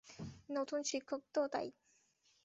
নতুন শিক্ষক তো, তাই।